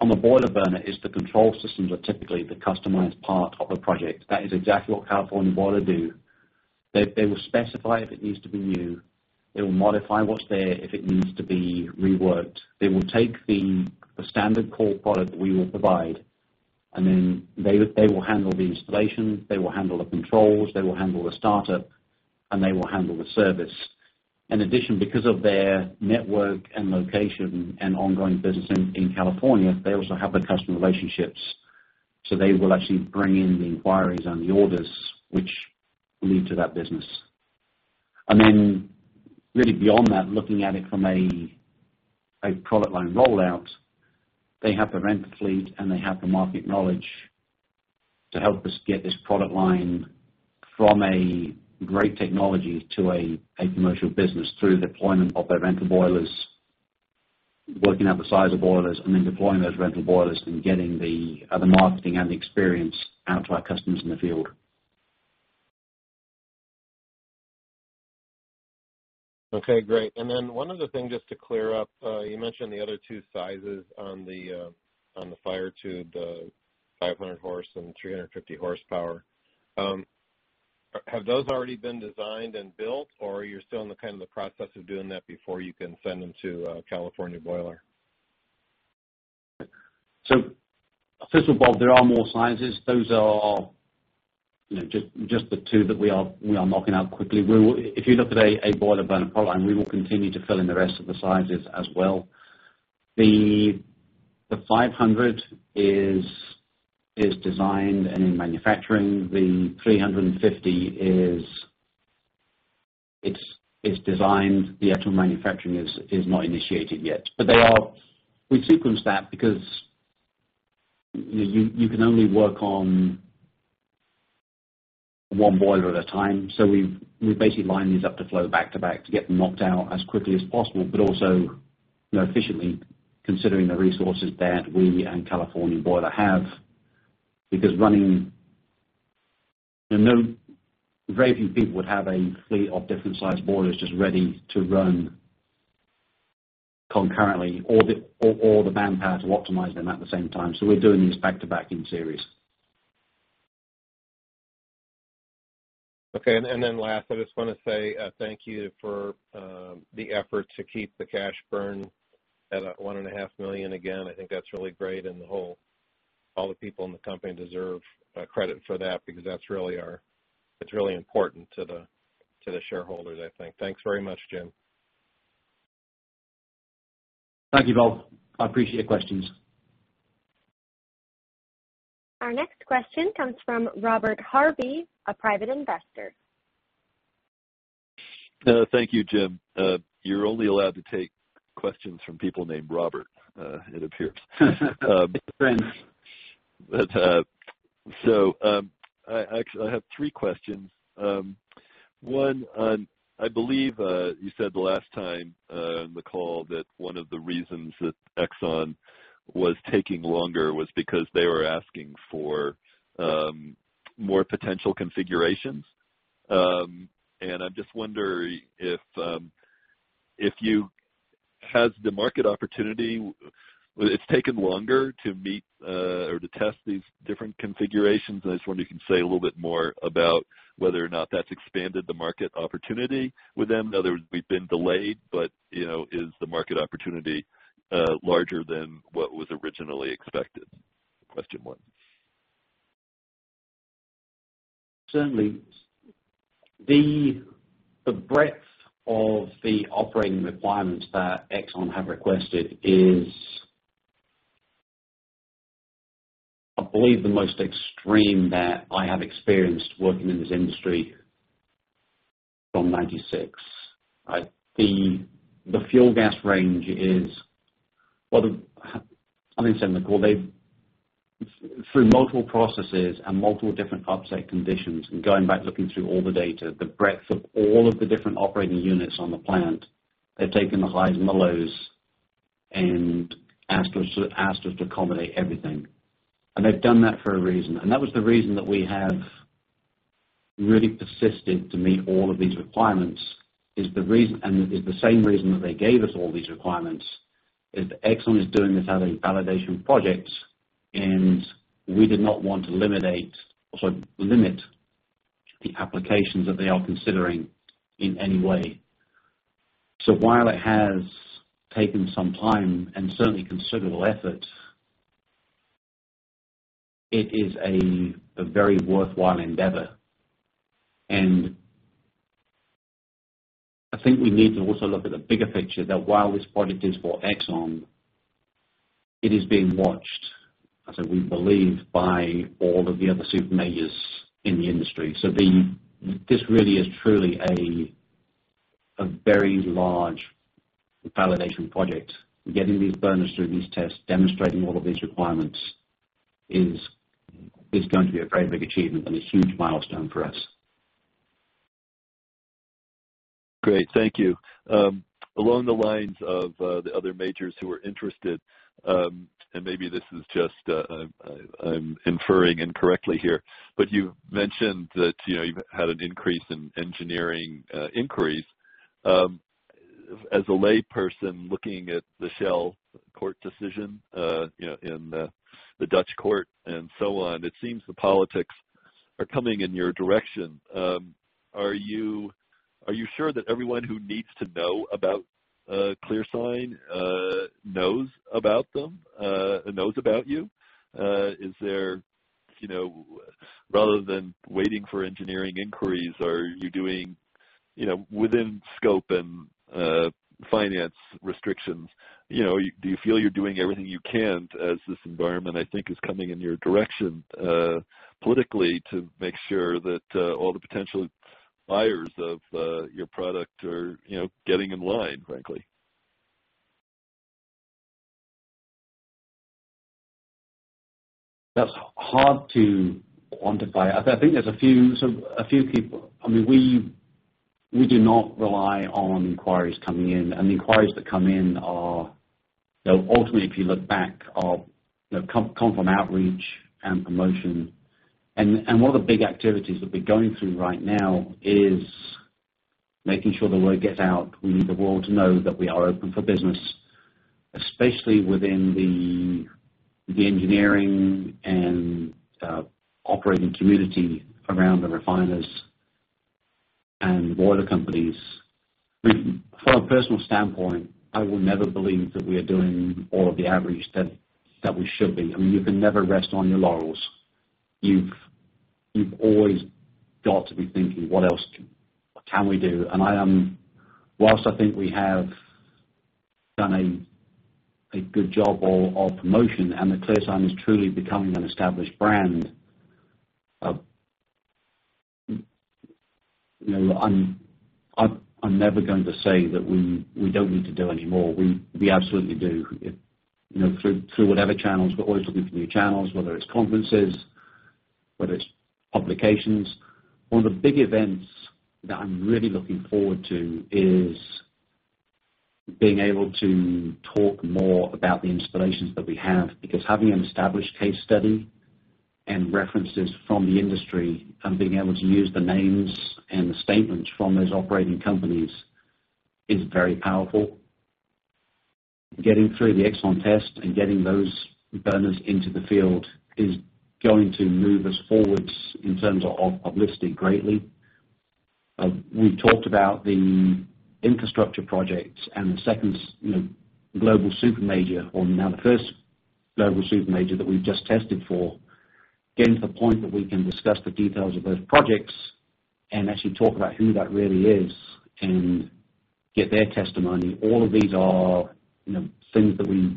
On the boiler burner, it's the control systems are typically the customized part of the project. That is exactly what California Boiler do. They will specify if it needs to be new. They will modify what's there if it needs to be reworked. They will take the standard core product that we will provide, and then they will handle the installation, they will handle the controls, they will handle the startup, and they will handle the service. In addition, because of their network and location and ongoing business in California, they also have the customer relationships. They will actually bring in the inquiries and the orders, which lead to that business. Really beyond that, looking at it from a product line rollout, they have the rental fleet, and they have the market knowledge to help us get this product line from a great technology to a commercial business through deployment of their rental boilers, working out the size of boilers, and then deploying those rental boilers and getting the marketing and the experience out to our customers in the field. Okay, great. One other thing just to clear up, you mentioned the other two sizes on the firetube, the 500-hp and 350-hp. Have those already been designed and built, or are you still in the process of doing that before you can send them to California Boiler? First of all, there are more sizes. Those are just the two that we are knocking out quickly. If you look at a boiler burner product line, we will continue to fill in the rest of the sizes as well. The 500-hp is designed and in manufacturing. The 350-hp is designed. The actual manufacturing is not initiated yet. We sequence that because you can only work on one boiler at a time. We've basically lined these up to flow back-to-back to get them knocked out as quickly as possible, but also efficiently considering the resources that we and California Boiler have. Very few people would have a fleet of different sized boilers just ready to run concurrently or the manpower to optimize them at the same time. We're doing these back-to-back in series. Okay. Then last, I just want to say thank you for the effort to keep the cash burn at that $1.5 million. Again, I think that's really great, and all the people in the company deserve credit for that because that's really important to the shareholders, I think. Thanks very much, Jim. Thank you, Bob. I appreciate the questions. Our next question comes from Robert Harvey, a private investor. Thank you, Jim. You're only allowed to take questions from people named Robert, it appears. I have three questions. One, I believe you said the last time on the call that one of the reasons that Exxon was taking longer was because they were asking for more potential configurations. I'm just wondering has the market opportunity taken longer to meet or to test these different configurations, and I just wonder if you can say a little bit more about whether or not that's expanded the market opportunity with them. In other words, we've been delayed, but is the market opportunity larger than what was originally expected? Question one. Certainly. The breadth of the operating requirements that Exxon have requested is, I believe, the most extreme that I have experienced working in this industry from 1996. The fuel gas range is what I mean, through multiple processes and multiple different upset conditions and going back looking through all the data, the breadth of all of the different operating units on the plant, they've taken the highs and the lows and asked us to accommodate everything. They've done that for a reason. That was the reason that we have really persisted to meet all of these requirements, and is the same reason that they gave us all these requirements, is Exxon is doing this as a validation project, and we did not want to limit the applications that they are considering in any way. While it has taken some time and certainly considerable effort, it is a very worthwhile endeavor. I think we need to also look at the bigger picture that while this project is for Exxon, it is being watched, as we believe, by all of the other super majors in the industry. This really is truly a very large validation project. Getting these burners through these tests, demonstrating all of these requirements is going to be a very big achievement and a huge milestone for us. Great. Thank you. Along the lines of the other majors who are interested, and maybe this is just I'm inferring incorrectly here, but you've mentioned that you've had an increase in engineering inquiries. As a layperson looking at the Shell court decision in the Dutch court and so on, it seems the politics are coming in your direction. Are you sure that everyone who needs to know about ClearSign knows about them, knows about you? Rather than waiting for engineering inquiries, are you doing within scope and finance restrictions, do you feel you're doing everything you can as this environment, I think, is coming in your direction politically to make sure that all the potential buyers of your product are getting in line, frankly? That's hard to quantify. I think there's a few people. We do not rely on inquiries coming in, the inquiries that come in are, ultimately, if you look back, come from outreach and promotion. One of the big activities that we're going through right now is making sure the word gets out. We need the world to know that we are open for business, especially within the engineering and operating community around the refiners and boiler companies. From a personal standpoint, I will never believe that we are doing all of the outreach that we should be. You can never rest on your laurels. You've always got to be thinking, what else can we do? Whilst I think we have done a good job of promotion and that ClearSign is truly becoming an established brand, I'm never going to say that we don't need to do any more. We absolutely do. Through whatever channels, we're always looking for new channels, whether it's conferences, whether it's publications. One of the big events that I'm really looking forward to is being able to talk more about the installations that we have, because having an established case study and references from the industry and being able to use the names and the statements from those operating companies is very powerful. Getting through the Exxon test and getting those burners into the field is going to move us forwards in terms of publicity greatly. We talked about the infrastructure projects and the two global super major, or now the one global super major that we've just tested for. Getting to the point that we can discuss the details of those projects and actually talk about who that really is and get their testimony. All of these are things that we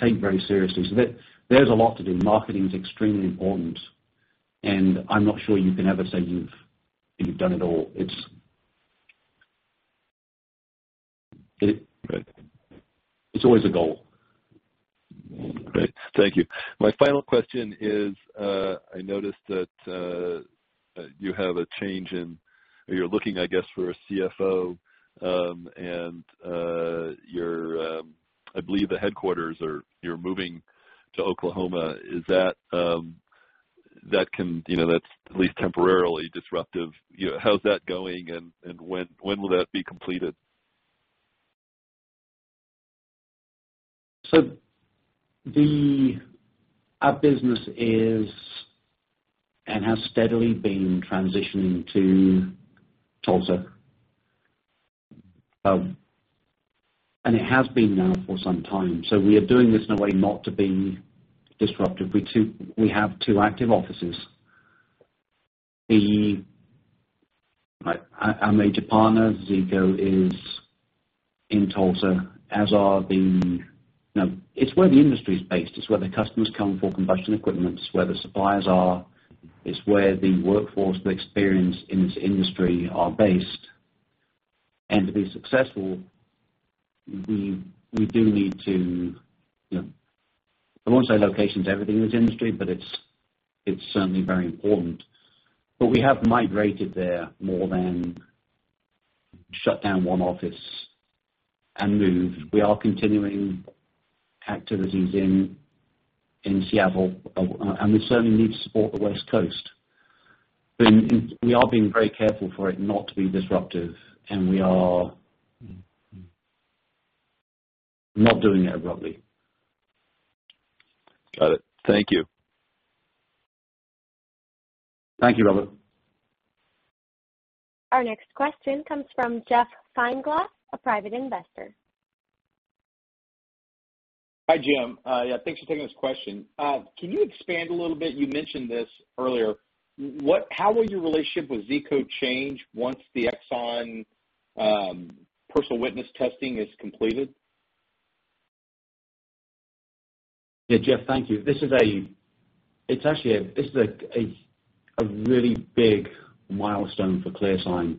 take very seriously. There's a lot to do. Marketing is extremely important, and I'm not sure you can ever say you've done it all. It's always a goal. Great. Thank you. My final question is, I noticed that you're looking, I guess, for a CFO, and I believe the headquarters, you're moving to Oklahoma. That's at least temporarily disruptive. How's that going and when will that be completed? Our business is and has steadily been transitioning to Tulsa. It has been now for some time. We are doing this in a way not to be disruptive. We have two active offices. Our major partner, Zeeco is in Tulsa. It's where the industry is based. It's where the customers come for combustion equipment. It's where the suppliers are. It's where the workforce with experience in this industry are based. To be successful, I won't say location's everything in this industry, but it's certainly very important. We have migrated there more than shut down one office and moved. We are continuing activities in Seattle, and we certainly need to support the West Coast. We are being very careful for it not to be disruptive, and we are not doing it abruptly. Got it. Thank you. Thank you, Robert. Our next question comes from Jeff Feinglass, a private investor. Hi, Jim. Yeah, thanks for taking this question. Can you expand a little bit? You mentioned this earlier. How will your relationship with Zeeco change once the Exxon personal witness testing is completed? Yeah, Jeff, thank you. This is a really big milestone for ClearSign,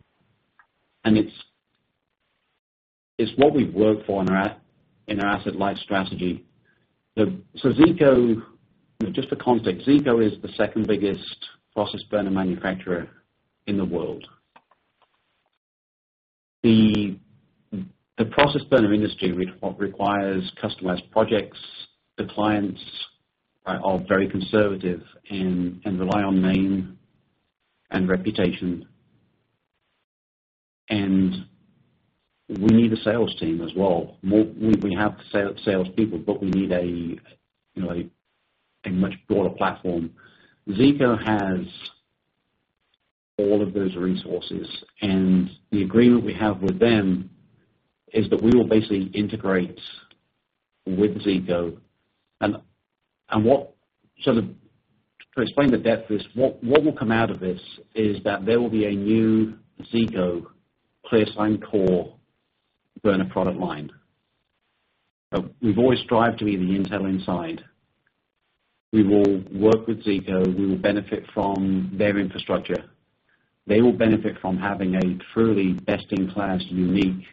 and it's what we've worked for in our asset-light strategy. Zeeco, just for context, Zeeco is the second biggest process burner manufacturer in the world. The process burner industry requires customized projects. The clients are very conservative and rely on name and reputation. We need a sales team as well. We have salespeople, but we need a much broader platform. Zeeco has all of those resources, and the agreement we have with them is that we will basically integrate with Zeeco. To explain the depth of this, what will come out of this is that there will be a new Zeeco-ClearSign Core burner product line. We've always strived to be the Intel inside. We will work with Zeeco. We will benefit from their infrastructure. They will benefit from having a truly best-in-class, unique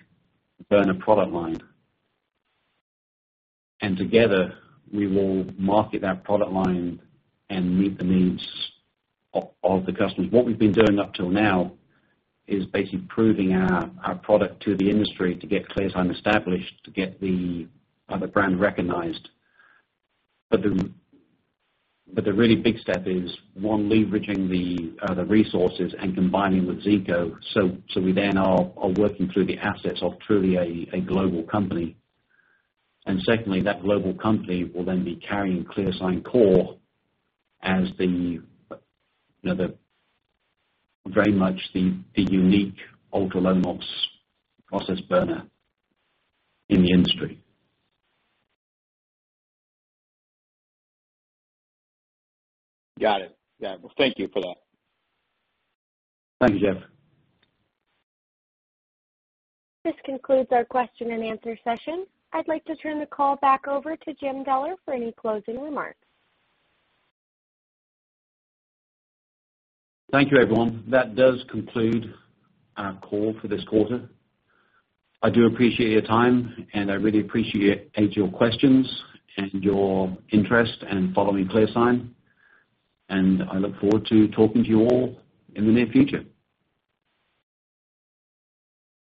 burner product line. Together, we will market that product line and meet the needs of the customers. What we've been doing up till now is basically proving our product to the industry to get ClearSign established, to get the brand recognized. The really big step is one, leveraging the resources and combining with Zeeco. We then are working through the assets of truly a global company. Secondly, that global company will then be carrying ClearSign Core as very much the unique ultra-low NOx process burner in the industry. Got it. Yeah. Well, thank you for that. Thank you, Jeff. This concludes our question and answer session. I'd like to turn the call back over to Jim Deller for any closing remarks. Thank you, everyone. That does conclude our call for this quarter. I do appreciate your time, and I really appreciate your questions and your interest in following ClearSign, and I look forward to talking to you all in the near future.